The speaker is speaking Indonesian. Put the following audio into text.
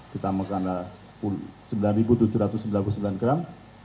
kita makan sembilan tujuh ratus sembilan puluh sembilan gram